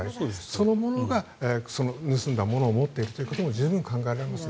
その者が盗んだものを持っていることも十分に考えられます。